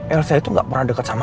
elsa itu gak pernah deket sama om